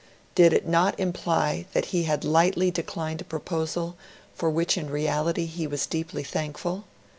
Did it not imply that he had lightly declined a proposal for which in reality he was deeply thankful?